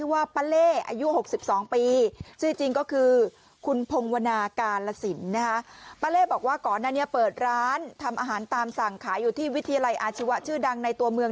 วีทีไล่อาชิวะชื่อดังในตัวเมือง